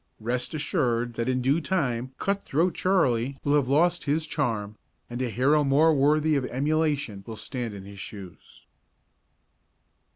Rest assured that in due time Cut Throat Charley will have lost his charm, and a hero more worthy of emulation will stand in his shoes.